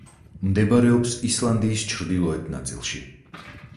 მდებარეობს ისლანდიის ჩრდილოეთ ნაწილში.